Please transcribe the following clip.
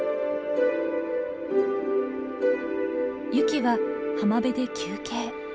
ユキは浜辺で休憩。